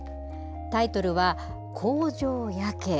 タイトルは、工場夜景。